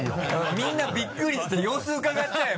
みんなびっくりして様子うかがってたよ